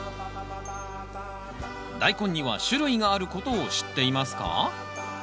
ダイコンには種類があることを知っていますか？